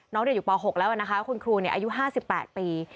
น้องเดี๋ยวอยู่ป๖แล้วนะคะคุณครูนี่อายุ๕๘ปี